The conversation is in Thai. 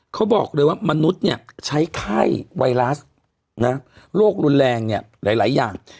เขาบอกเลยว่ามนุษย์เนี่ยใช้ไข้ไวรัสโรครุนแรงเนี่ยหลายอย่าง